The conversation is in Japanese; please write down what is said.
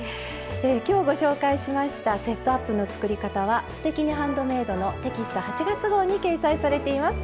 今日ご紹介しました「セットアップ」の作り方は「すてきにハンドメイド」のテキスト８月号に掲載されています。